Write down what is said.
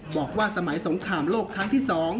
บอกว่าสมัยสงครามโลกครั้งที่๒